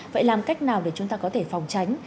vậy làm cách nào để chúng ta có thể phòng tránh